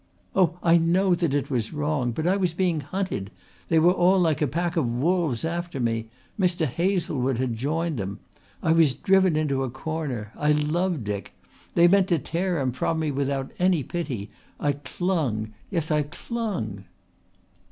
"Oh, I know that it was wrong. But I was being hunted. They were all like a pack of wolves after me. Mr. Hazlewood had joined them. I was driven into a corner. I loved Dick. They meant to tear him from me without any pity. I clung. Yes, I clung."